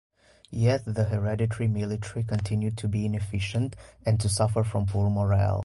Yet the hereditary military continued to be inefficient and to suffer from poor morale.